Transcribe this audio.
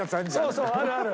そうそうあるある！